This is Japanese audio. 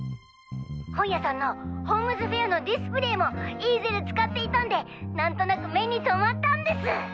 本屋さんのホームズフェアのディスプレイもイーゼル使っていたんでなんとなく目にとまったんです。